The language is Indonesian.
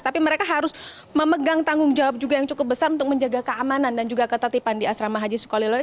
tapi mereka harus memegang tanggung jawab juga yang cukup besar untuk menjaga keamanan dan juga ketatipan di asrama haji sukolilo ini